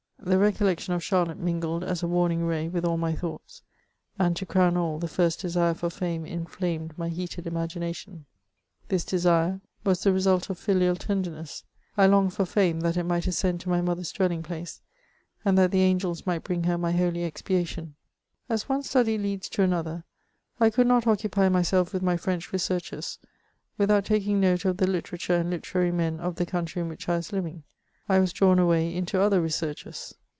The recollection of Charlotte mingled as a warning ray with all my thoughts, and, to crown all, the first desire for fame in flamed my heated imagination. This desire was the result of CHATEAUBBIAKD. 417 filial tenderness ; I longed for fame, that it might ascend to mj moUier's dwelling place, and that the angels might bring her my holy expiation. As one study leads to another, I could not occupy myself with my French researches without taking note of the litera ture and literary men of the country in which I was living : I was drawn away into other researches.